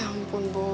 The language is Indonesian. hai ya ampun boy